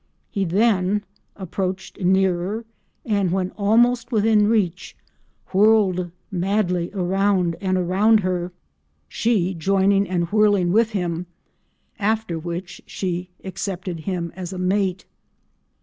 He then approached nearer and when almost within reach "whirled madly around and around her, she joining and whirling with him," after which she accepted him as a mate.